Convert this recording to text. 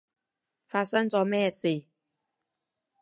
發生咗咩事？